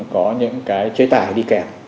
có những cái chế tài đi kẹt